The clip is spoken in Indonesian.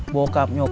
bokapnya okan aku